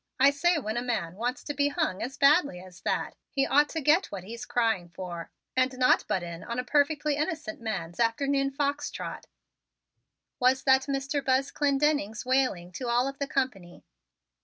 I say when a man wants to be hung as badly as that, he ought to get what he's crying for, and not butt in on a perfectly innocent man's afternoon fox trot," was that Mr. Buzz Clendenning's wailing to all of the company.